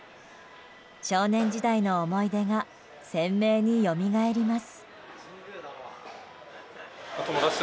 少年時代の思い出が鮮明によみがえります。